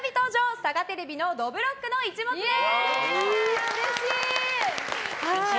サガテレビの「どぶろっくの一物」です。